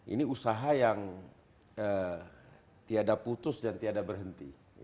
ini usaha yang tiada putus dan tiada berhenti